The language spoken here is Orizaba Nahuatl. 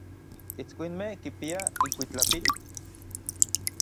¿Itskuinmej kipiaj inkuitlapil?